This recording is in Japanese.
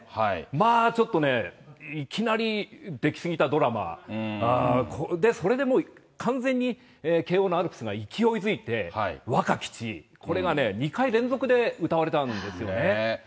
まあ、ちょっとね、いきなり出来過ぎたドラマ、それでもう、完全に慶応のアルプスが勢いづいて、若き血、これがね、２回連続で歌われたんですよね。